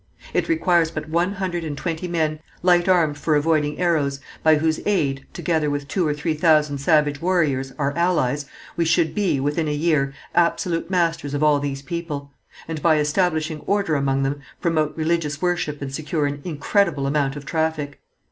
It requires but one hundred and twenty men, light armed for avoiding arrows, by whose aid, together with two or three thousand savage warriors, our allies, we should be, within a year, absolute masters of all these people; and by establishing order among them, promote religious worship and secure an incredible amount of traffic.